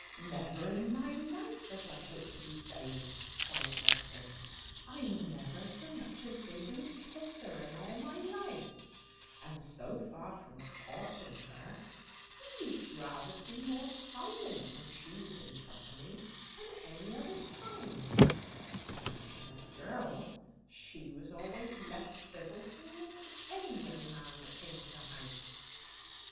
"Never in my life, as I hope to be saved," cries Western: "I never so much as zeed him kiss her in all my life; and so far from courting her, he used rather to be more silent when she was in company than at any other time; and as for the girl, she was always less civil to'n than to any young man that came to the house.